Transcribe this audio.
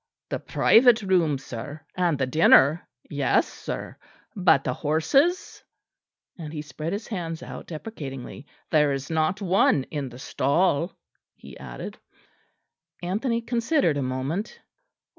"The private room, sir, and the dinner yes, sir but the horses " and he spread his hands out deprecatingly. "There is not one in the stall," he added. Anthony considered a moment.